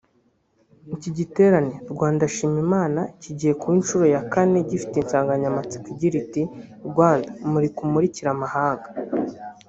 Iki giterane “Rwanda Shima Imana”kigiye kuba nshuro ya kane gifite insanganyamatsiko igira iti “Rwanda murika umurikire amahanga”